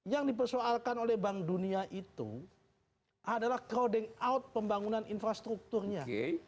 yang dipersoalkan oleh bank dunia itu adalah crowding out pembangunan infrastrukturnya